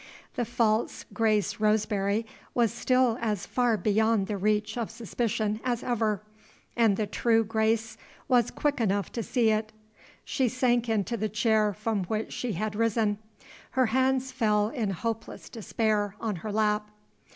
The false Grace Roseberry was still as far beyond the reach of suspicion as ever, and the true Grace was quick enough to see it. She sank into the chair from which she had risen; her hands fell in hopeless despair on her lap.